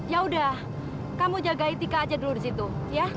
ya udah kamu jaga itika aja dulu di situ ya